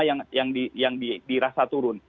itu yang utama yang dirasa turun